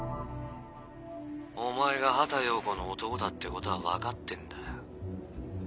お前が畑葉子の男だってことは分かってんだよ。